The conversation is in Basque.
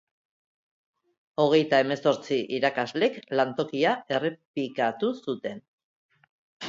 Hogeita hemezortzi irakalek lantokia errepikatu zuten.